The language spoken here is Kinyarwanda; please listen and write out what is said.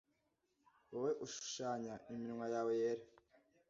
Wowe ushushanya iminwa yawe yera